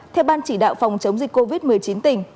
theo ban chỉ đạo phòng chống dịch covid một mươi chín tỉnh